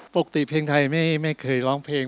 ปกติเพลงไทยไม่เคยร้องเพลง